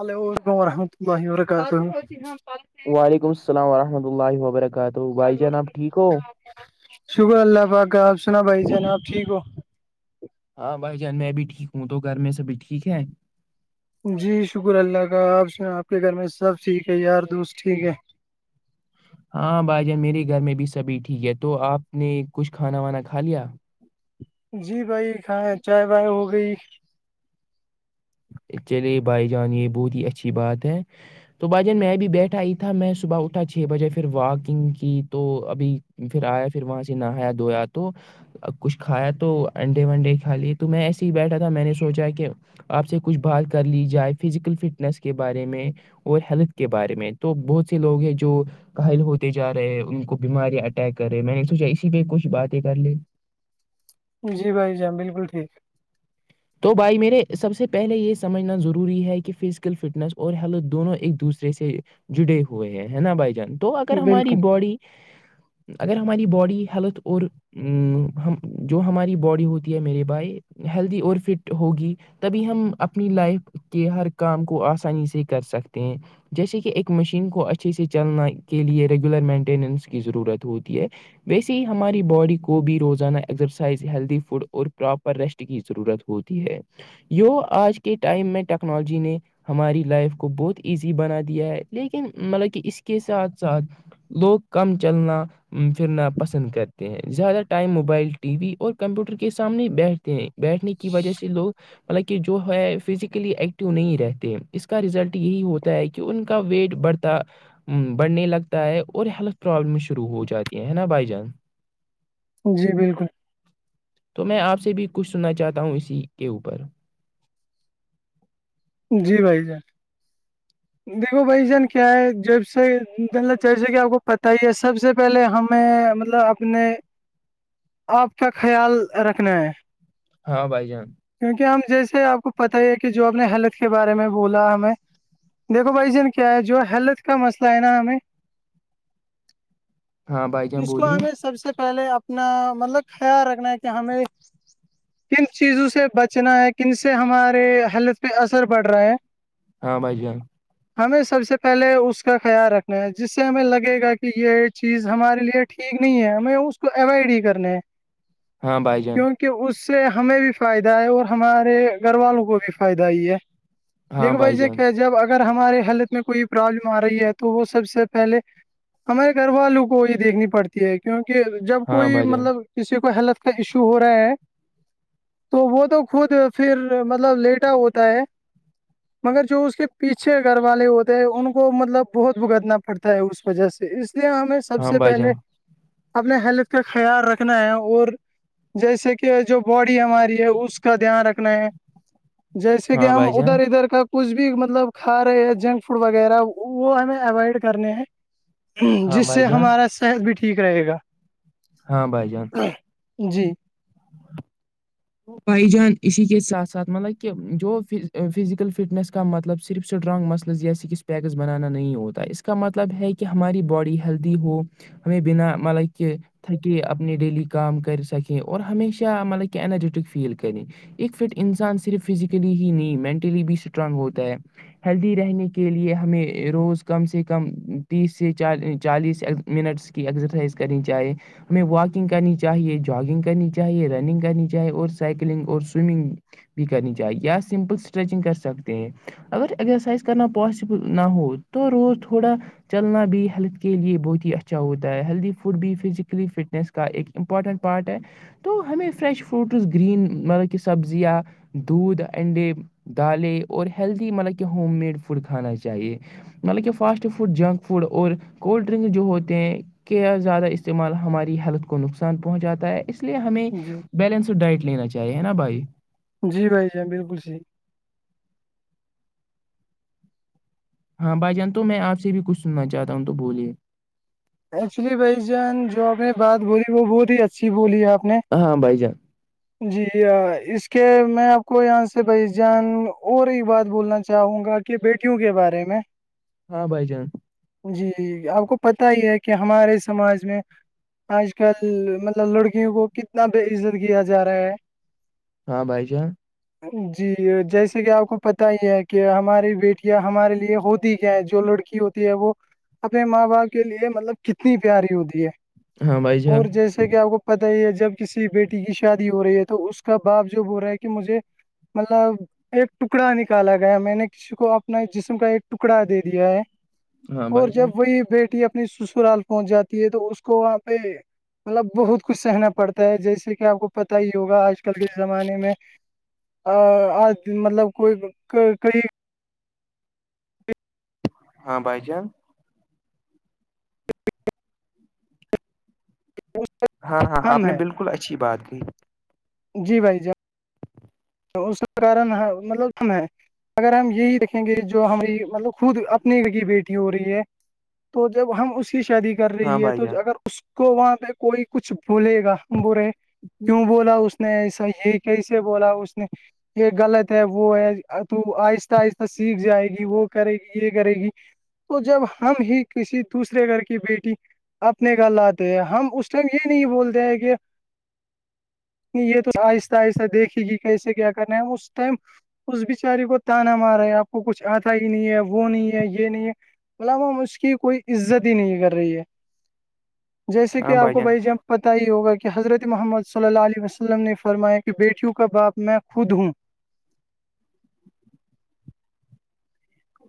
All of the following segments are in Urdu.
العل ولیکم ورحمۃ اللہ وبرکاتہ وعلیکم السل ورحمۃ اللہ و برکاتہ شکر اللہ وقہ آپ سنا بھائی جناب ٹھیک ہو ہاں بھائی جان میں بھی ٹھیک ہوں تو گھر میں سبھی ٹھیک ہے جی شکر اللہ کا آپ آپ کے گھر میں سب ٹھیک ہے یار دوست ٹھیک ہے ہاں بھائی جان میرے گھر میں بھی سبھی ٹھیک ہے تو آپ نے کچھ کھانا وانا کھا لیا جی بھائی کھائے چائے بائے ہو گئی چلے بھائی جان یہ بہت ہی اچھی بات ہے تو بھجن میں ا بھی بیٹھائی تھا میں صبح اٹھا چھ بجے پھر واکنگ کی تو ابھی پھر آیا پھر وہاں سے نہایا دھویا تو کچھ کھایا تو انڈے وڈے کھا لیے تو میں ایسے ہی بیٹھا تھا میں نے سوچا کہ آپ سے کچھ بات کر لی جائے فزیکل فٹنس کے بارے میں اور ہیلتھ کے بارے میں تو بہت سے لوگ ہیں جو گل ہوتے جا رہے ان کو بیماریاں اٹیک کر رہے میں نے سوچا اسی پہ کچھ باتیں کر لے جی بھائی جی بالکل ٹھیک تو بھائی میرے سب سے پہلے یہ سمجھنا ضروری ہے کہ فزیکل فٹنس اور ہیلتھ دونوں ایک دوسرے سے جڑے ہوئے ہیں نا بھائی جان تو اگر ہماری باڈی [unintelligible] اگر ہماری باڈی ہیلتھ اور ا ہم جو ہماری باڈی ہوتی ہے میرے بھائی ہیلدی اور فٹ ہوگی تبھی ہم اپنی لائف کے ہر کام کو آسانی سے کر سکتے ہیں جیسے کہ ایک مشین کو اچھے سے چلنا کے لیے ریگولر مینٹیننس کی ضرورت ہوتی ہے ویسے ہی ہماری باڈی کو بھی روزانہ ایکسرسائز ہیلدی فوڈ اور پراپر ریسٹ کی ضرورت ہو ہوتی ہے آج کے ٹائم میں ٹیکنالوجی نے ہماری لائف کو بہت ایزی بنا دیا ہے لیکن مطلب کہ اس کے ساتھ ساتھ لوگ کم چلنا پھرنا پسند کرتے ہیں زیادہ ٹائم موبائل ٹی وی اور کمپیوٹر کے سامنے بیٹھتے ہیں بیٹھنے کی کی وجہ سے لوگ مطلب کہ جو ہے فزیکلی ایکٹو نہیں رہتے اس کا ریزلٹ یہی ہوتا ہے کہ کہ ان کا ویٹ بڑھتا بڑھنے لگتا ہے اور ہیلتھ پرابلم شروع ہو جاتی ہیں نا بائی جان جی بالکل [unintelligible] تو میں آپ سے بھی کچھ سننا چاہتا ہوں اسی کے اوپر جی بھائی جان دیکھو بھائی جان کیا ہے ج سے جیسے کہ آپ کو پتا ہی ہے سب سے س پہلے ہمیں مطلب اپنے آپ کا خیال رکھنا ہے ہاں بھائی جان کیونکہ ہم جیسے آپ کو پت ہی ہے کہ جو آپ نے حلک کے بارے میں بولا ہمیں دیکھو بھائی جین کیا ہے جو ہیلت کا مسئلہ ہے نا ہمیں ہاں بھائی جان اس کو بولیے ہمیں سب سے پہلے اپ [unintelligible] اپنا مطلب خیال رکھنا ہے کہ ہمیں کن چیزوں سے بچنا ہے کن سے ہمارے ہیلتھ پہ اثر پڑ رہا ہے ہاں بھائی جان [unintelligible] ہمیں سب سے پہلے اس کا خیال رکھنا ہے جس سے ہمیں لگے گا کہ یہ چیز ہمارے لیے ٹھیک نہیں ہے ہمیں اس کو اوائڈ ہی کرنا ہے ہاں بائی جان کہ اس سے ہمیں بھی فائدہ ہے اور ہمارے گھر والوں کو بھی فائدہ ہی ہے ہاں دیکھو بھائی یہ جان کہ جب اگر ہمارے ہیلتھ میں کوئی پرابلم آ رہی ہے تو وہ سب سے پہلے ہمارے گھر والوں کو یہ دیکھنی پڑتی ہے کیونکہ جب ہاں کوئی بھائی جان مطلب جس سے کوئی ہیلتھ کا ایشو ہو رہا ہے تو وہ تو خود پھر مطلب لیٹا ہوتا ہے مگر جو اس کے پیچھے گھر والے ہوتے ہیں ان کو مطلب بہت بھگتنا پڑتا ہے اس وجہ سے اس لیے ہمیں سب ہاں سے بھائی جان پہلے اپنے ہیلتھ کا خیال رکھنا ہے اور جیسے کہ جو باڈی ہماری ہے اس کا دھیان رکھنا ہے جیسے کہ ہاں ہم بھائی ادھر جان ادھر کا کچھ بھی مطلب کھا رہے ہیں جنک فوڈ وغیرہ وہ ہمیں اوائڈ کرنے ہیں ہاں جس سے بھائی جان ہمارا صحت بھی ٹھیک رہے گا ہاں بائی جان جی بائی جان اسی کے ساتھ ساتھ مطلب کہ جو فزیکل فٹنیس کا مطلب صرف اسٹرانگ مسلز یا سکس پیکس بنانا نہیں ہوتا ہے اس کا مطلب ہے کہ ہماری باڈی ہیلدی ہو ہمیں بنا مل کہ تھک اپنی ڈیلی کام کر سکیں اور ہمیشہ مطلب کہ انرج فیل کریں ایک فٹ انسان صرف فزیکلی ہی نہیں مینٹلی بھی اسٹرانگ ہوتا ہے ہیلدی رہنے کے لیے ہمیں روز کم سے کم تیس سے چالیس منٹس کی ایکزرسائز کرنی چاہی ہمیں واکنگ کرنی چاہیے جگنگ کرنی چاہیے رننگ کرنی چاہیے چاہے اور سائکلنگ اور سوئمنگ بھی کرنی چاہیے یا سمپل اسٹریچنگ کر سکتے ہیں اگر ایزرسائز کرنا پاسبل نہ ہو تو روود تھوڑا چلنا بھی ہیلتھ کے لیے بہت ہی اچھا ہوتا ہے ہیلدی فوڈ بھی فزیکلی فٹنیس ایک امپورٹنٹ پارٹ ہے تو ہمیں فریش فروٹس گرین مطلب کہ سبزیاں دودھ اینڈے دالیں اور ہیلدی مطلب کہ ہوم میڈ فوڈ کھانا چاہیے مطلب کہ فاسٹ فوڈ جنک فوڈ اور کولڈ ڈرنک جو ہوتے ہیں کے زیادہ استعمال ہماری ہیلتھ کو نقصان پہنچاتا ہے اس لیے ہمیں جی بیلنسڈ ڈائٹ لینا چاہیے نا بھائی جی بھائی جان بالکل جی ہاں بائی جان تو میں آپ سے بھی کچھ سننا چاہتا ہوں تو بولیے ایکچولی بھائی جان جو آپ نے بات بولی وہ بہت ہی اچھی بولی آپ نے ہاں ہاں بائی جان جی اس کے میں آپ کو یہاں سے بھائی جان اور ایک بات بولنا چاہوں گا کہ کے بیٹیوں کے بارے میں ہاں بھائی جان جی آپ کو پت ہی ہے کہ ہمارے سماج میں آج کل مطلب لڑکیوں کو کتنا بے عزت کیا جا رہا ہے ہاں بھائی جان ا جی جیسے کہ آپ کو پتا ہی ہے کہ ہماری بیٹیاں ہمارے لیے ہوتی کیا ہیں جو لڑکی ہوتی وہ اپنے ماں باپ کے لیے مطلب کتنی پیاری ہوتی ہے ہاں بھائی اور جان جیسا کہ آپ کو پتا ہی ہے جب کسی بیٹی کی ش شادی ہو رہی ہے تو اس کا بااب جوب ہو رہا ہے کہ مجھے مطلب ایک ٹکڑا نکالا گیا میں نے کسی کو اپنا جسم کا ایک ٹکڑا دے دیا ہے ہاں بھائی اور جب جان وہی بیٹی اپنی سسرال پہنچ جاتی ہے تو اس کو وہاں پہ مطلب بہت کچھ سہنا پڑتا ہے جیسے کہ آپ کو پتا ہے یوگا آج کل کے زمانے میں مطلب کوئی کئی ہاں بائی جان ہاں ہاں آپ ہم نے ہے بالکل اچھی بات کہ جی بھائی ج اس کا کارن مطلب ہے اگر ہم یہی د گے جو ہماری مطلب خود اپنی کی بیٹی ہو رہی ہے تو جب ہم اسی شادی کر ہاں رہی ہے بھائی تو جان اگر اس کو وہاں پہ کوئی کچھ بھولے گا برے کیوں بولا اس نے ایسا یہ کیسے بولا اس نے یہ غلط ہے وہ ہے تو آہستہ آہستہ سیکھ جائے گی وہ کرے گی یہ کرے گی تو جب ہم ہی کسی دوسرے گھر کی بیٹی- اپنے گھر لاتے ہیں ہم اس ٹائم یہ نہیں بولتے ہیں کہ- یہ تو آہستہ- آہستہ دیکھے گی کیسے کیا کرنا ہے اس ٹائم- اس بچاری کو تانا مار رہا ہے آپ کو کچھ آتا ہی نہیں ہے وہ نہیں ہے یہ نہیں ہے- مل وہ اس کی کوئی عزت ہی نہیں کر رہی ہے جیسے کہ ہاں آپ کو جان بھائی جب پتہ ہی ہوگا کہ حضرت محمد صلی اللہ علیہ وسلم نے فرمایا کہ بیٹیوں کا باپ میں خود ہوں-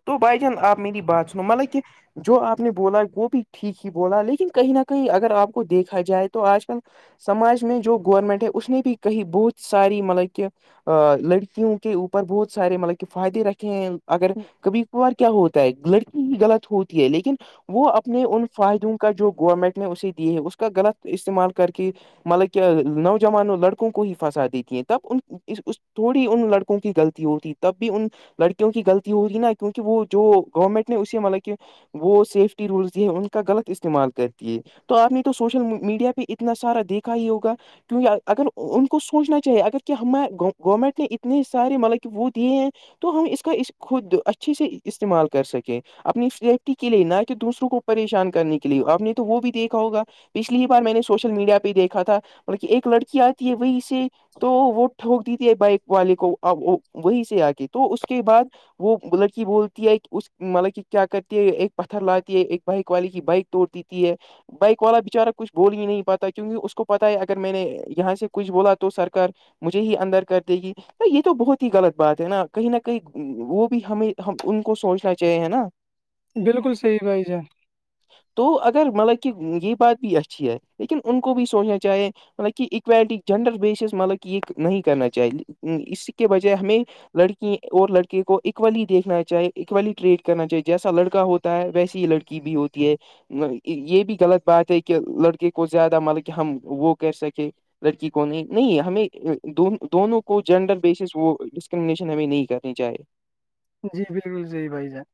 تو بھائی جان آپ میری بات سنو مطلب کہ- جو آپ نے بولا وہ بھی ٹھیک ہی بولا لیکن کہیں نہ کہیں اگر آپ کو دیکھا جائے تو آج کل- سماج میں جو گورنمنٹ ہے اس نے بھی کہی بہت ساری مطلب کہ ا لڑکیوں کے اوپر بہت سارے مطلب کہ فائدے رکھے ہیں اگر- کبھی کبھار کیا ہوتا ہے لڑکی ہی غلط ہوتی ہے لیکن وہ اپنے ان فائدوں کا جو گورنمنٹ نے اسے دیے ہے اس کا غلط استعمال کر کے- مطلب کہ نوجوان لڑکوں کو ہی پھنسا دیتی ہیں تب ان- اس تھوڑی ان لڑکوں کی غلطی ہوتی تب بھی ان لڑکیوں کی غلطی ہوتی نا- کیونکہ وہ جو گورنمنٹ نے اسے مطلب کہ- وہ سیفٹی رولز یہ ہے ان کا غلط استعمال کرتی ہے- تو آپ نے تو سوشل میڈیا پہ اتنا سارا دیکھا ہی ہوگا- کیونکہ اگر ان کو سوچنا چاہیے اگر کہ ہم گورنمنٹ نے اتنے سارے مطلب کہ وہ دیے ہیں- تو ہم اس کا خود اچھے سے استعمال کر سکیں- اپنی سیفٹی کے لیے نہ کہ دوسروں کو پریشان کرنے کے لیے آپ نے تو وہ بھی دیکھا ہوگا- پچھلی بار میں نے سوشل میڈیا پہ ہی دیکھا تھا بطلب کہ ایک لڑکی آتی ہے وہی- تو وہ ٹوک دی تھی ہے بائک والے کو- وہی سے آگ تو اس کے بعد وہ ب- بولتی ہے اس مطلب کہ کیا کرتی ہے ایک پتھر لاتی ہے ایک بائک والی کی بائک توڑ دیتی ہے- بائک والا بچارہ کچھ بول ہی نہیں پاتا کیونکہ اس کو پتا ہے اگر میں نے یہاں سے کچھ بولا تو سرک- مجھے ہی اندر کر دے گی تو یہ تو بہت ہی غلط بات ہے نا کہیں نہ کہیں وہ بھی ہمیں- ہم ان کو سوچنا چاہیے ہے نا- بالکل صحیح بھائی جا- تو اگر مطلب کہ یہ بات بھی اچھی ہے لیکن ان کو بھی سوچنا چاہیے- مطلب کہ اویلٹی جنڈر بیسس مطلب کہ یہ نہیں کرنا چاہیے اس کے بجائے ہمیں- لڑکی اور لڑکے کو اکولی دیکھ- نا چاہے اکولی ٹریٹ کرنا چاہیے جیسا لڑکا ہوتا ہے ویسی ہی لڑکی بھی ہوتی ہے- یہ بھی غلط بات ہے کہ لڑکے کو زیادہ مطلب کہ ہم وہ کر سکیں- لڑکی کو نہیں نہیں ہمیں دونوں کو جینڈر بیسس وہ- شن ابھی نہیں کرنی چاہے- جی بالکل جی بھائی جان-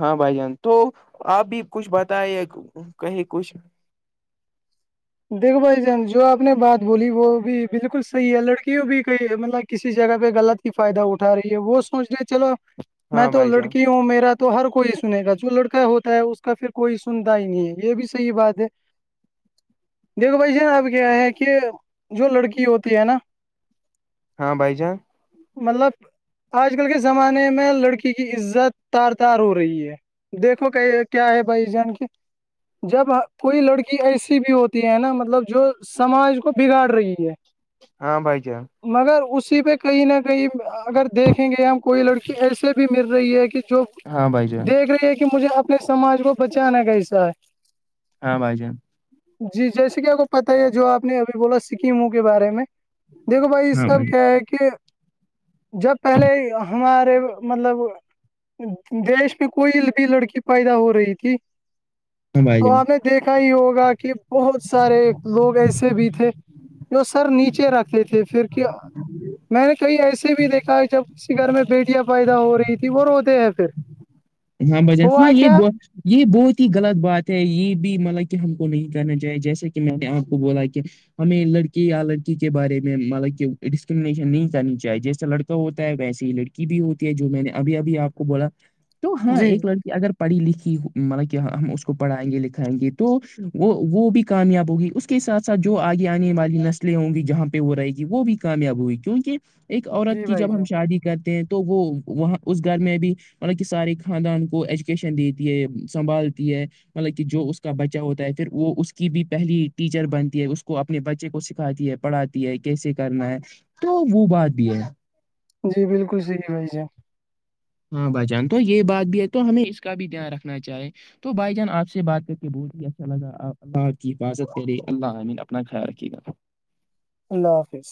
ہاں بھائی جان تو آپ بھی کچھ بتائے کہے کچھ- دیکھو بھائی جان جو آپ نے بات بولی وہ بھی بالکل صحیح ہے لڑکیوں بھی کہئی مطلب کسی جگہ پہ غلط- فائدہ اٹھا رہی ہے وہ سوچ رہے چلو میں ہاں تو بھائی جان لڑکیوں- وں میرا تو ہر کوئی سنے گا جو لڑکا ہوتا ہے اس کا پھر کوئی سنتا ہی نہیں ہے یہ بھی صحی بات ہے- دیکھو بھائی جرا اب کیا ہے کہ جو لڑکی ہوتی ہے نا ہاں بائی جان- مطلب آج کل کے زمانے میں لڑکی کی عزت تار تار ہو رہی ہے- دیکھو کہ کیا ہے بھائی جان کے جب کوئی لڑکی ایسی بھی ہوتی- ہیں نا مطلب جو سماج کو بگاڑ رہی ہے- ہاں بھائی جان مگر اسی پہ کہیں نہ کہیں اگر دیکھیں گے ہم کوئی لڑکی ایسے بھی مل رہی ہے کہ جو- ہاں بھائی جان دیکھ رہی کہ مجھے اپنے سماج کو بچانا کیسا ہے- ہاں بھائی جان جی جیسے کہ آپ کو پتا ہے جو آپ نے ابھی بولا سکیموں کے بارے میں دیکھو بھائی اس سح کیا ہے کہ جب پہلے ہمارے مطلب دیش میں کوئی بھی لڑکی پیدا ہو رہی تھی ہاں بھائی تو جان آپ نے دیکھا ہی ہوگا کہ بہت سارے لوگ ایسے بھی تھے جو سر نیچے رکھتے تھے پھر کیا میں نے کہئی ایسے بھی دیکھا ہے جب اس گھر میں بیٹیاں پیدا ہو رہی تھی وہ روتے ہیں پھر ہاں بج ہاں ہوا یہ کیا دو یہ بہت ہی غلط بات ہے یہ بھی مطلب کہ ہم کو نہیں کرنا چاہی جیسے کہ میں نے آپ کو بولا کہ ہمیں لڑکی یا لڑکی کے بارے میں مطلب کہ ڈسکرمنیشن نہیں کرنی چاہیے جیسے لڑکی تو ہوتا ہے ویس ہی لڑکی بھی ہوتی ہے جو میں نے ابھی ابھی آپ کو بولا تو ہاں جی ایک لڑکی اگر پڑھی لکھی مطلب کہاں ہم اس کو پڑھائیں گے لکھائیں گے تو وہ وہ بھی کامیاب ہوگی کے ساتھ ساتھ جو آگے آنے والی نسلیں ہوں گی جہاں پہ وہ رہے گی وہ بھی کامیاب ہوئی کیونکہ ایک عورت جی کی بھائی جب ہم جان شادی کرتے ہیں تو وہ وہاں اس گھر میں بھی مطلب کہ سارے خاندان کو ایجوکیشن دیتی ہے سنبھالتی ہے مطلب کہ جو اس کا بچہ ہوتا ہے پھر وہ اس کی بھی پہلی ٹیچر بنتی ہے اس کو اپنے بچے کو سکھاتی ہے پڑاتی ہے کیسے کرنا ہے تو وہ بات بھی ہے جی بالکل سحیح بھائی ہے ہاں بھائی جان تو یہ بات بھی ہے تو ہمیں اس کا بھی دھیان رکھنا چاہے تو بھائی جان آپ سے بات کر کے بول اچھا لگا آپ اللہ آپ کی حفاظت کرے اللہ عامین اپنا خیال رکھیے گا اللہ حافظ